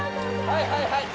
はいはいはい。